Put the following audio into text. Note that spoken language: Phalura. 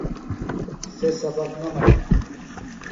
سےۡ سبق نہ منین دےۡ۔